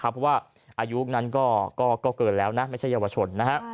เพราะว่าอายุนั้นก็เกินแล้วนะไม่ใช่เยาวชนนะฮะ